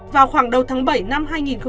vào khoảng đầu tháng bảy năm hai nghìn hai mươi